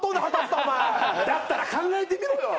だったら考えてみろよ！